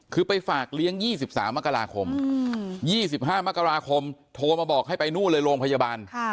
คือไปฝากเลี้ยง๒๓มกราคม๒๕มกราคมโทรมาบอกให้ไปนู่นเลยโรงพยาบาล